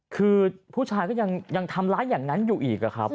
คือผู้ชายก็ยังทำร้ายอย่างนั้นอยู่อีกครับ